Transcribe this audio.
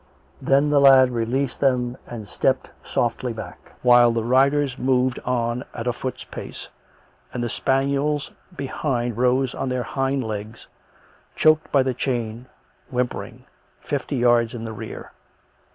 Then the lad released them and stepped softly back, while the riders moved on at a foot's pace, and the spaniels behind rose on their hind legs, choked by the chain, whimpering, fifty yards in the rear.